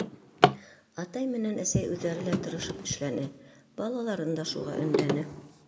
Атай менән әсәй үҙҙәре лә тырышып эшләне, балаларын да шуға өндәне.